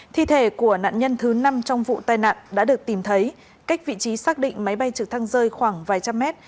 thi thể của nạn nhân thứ năm trong vụ tai nạn đã được tìm thấy cách vị trí xác định máy bay trực thăng rơi khoảng vài trăm mét